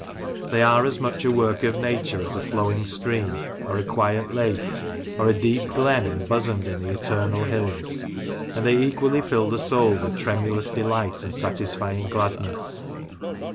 They are as much a work of nature as a flowing stream, or a quiet lake, or a deep glen embosomed in the eternal hills, and they equally fill the soul ¥dth tremulous delight and satisfying gladness.